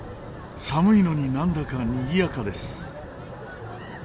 寒いのになんだかにぎやかです。